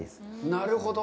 なるほど。